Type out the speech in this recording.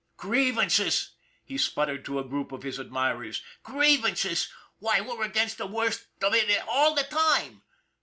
" Grievances! " he spluttered to a group of his ad mirers. " Grievances ? Why, we're against the worst of it all the time.